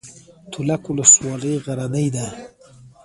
تولک ولسوالۍ غرنۍ ده؟